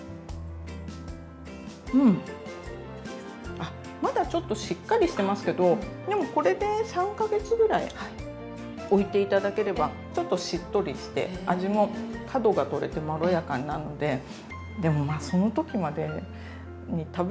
あっまだちょっとしっかりしてますけどでもこれで３か月ぐらいおいて頂ければちょっとしっとりして味も角が取れてまろやかになるのででもまあそのときまでに食べ終わっちゃうかもしれない。